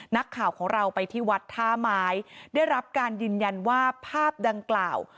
นักข่าวของเราไปที่วัดท่าไม้ได้รับการยืนยันว่าภาพดังกล่าว